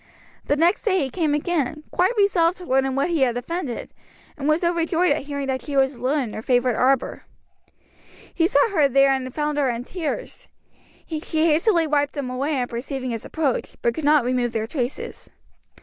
The next day he came again, quite resolved to learn in what he had offended, and was overjoyed at hearing that she was alone in her favourite arbor. He sought her there and found her in tears. She hastily wiped them away on perceiving his approach, but could not remove their traces.